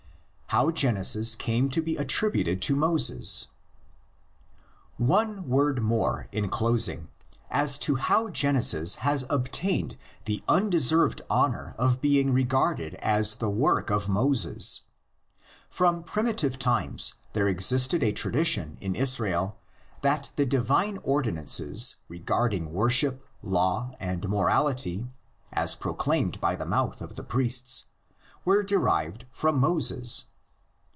HOW GENESIS CAME TO BE ATTRIBUTED TO MOSES. One word more, in closing, as to how Genesis has obtained the undeserved honor of being regarded as a work of Moses. From primitive times there existed a tradition in Israel that the divine ordi nances regarding worship, law and morality, as proclaimed by the mouth of the priests, were derived from Moses.